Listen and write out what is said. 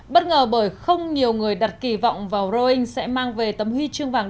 bất ngờ bởi không nhiều người đặt kỳ vọng vào rowing sẽ mang về tấm huy chương vàng